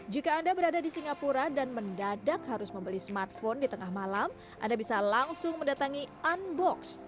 jika anda berada di singapura dan mendadak harus membeli smartphone di tengah malam anda bisa langsung mendatangi unbox